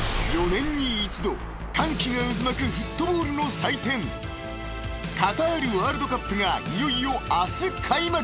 ［４年に一度歓喜が渦巻くフットボールの祭典カタールワールドカップがいよいよ明日開幕］